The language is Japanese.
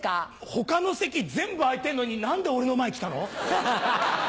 他の席全部空いてんのに何で俺の前来たの？